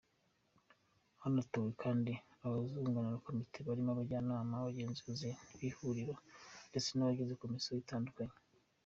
Hanatowe kandi abazunganira komite barimo abajyanama, abagenzuzi b’ihuriro ndetse n’abagize amakomisiyo atandukanye.